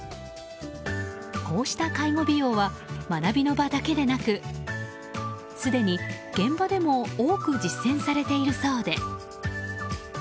こうした介護美容は学びの場だけでなくすでに現場でも多く実践されているそうで。